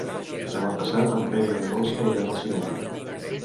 Demà passat en Pere i na Dolça iran al cinema.